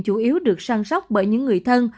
chủ yếu được săn sóc bởi những người thân